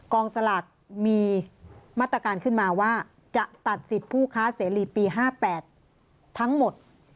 กองสลากมีมาตรการขึ้นมาว่าจะตัดสิทธิ์ผู้ค้าเสรีปี๕๘ทั้งหมด